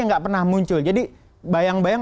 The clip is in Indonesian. nggak pernah muncul jadi bayang bayang